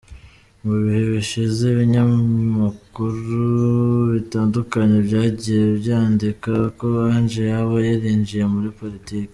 Mu bihe bishize, ibinyamakuru bitandukanye byagiye byandika ko Ange yaba yarinjiye muri Politiki.